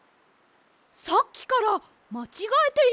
さっきからまちがえています。